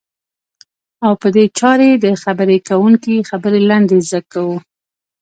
او په دې چارې د خبرې کوونکي خبرې لنډی ز کوو.